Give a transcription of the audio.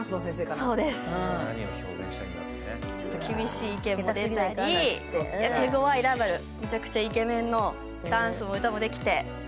そうです、厳しい意見も出たり、手ごわいライバル、めちゃくちゃイケメンのダンスも歌もできて。